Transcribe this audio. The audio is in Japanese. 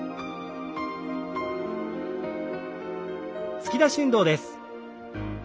突き出し運動です。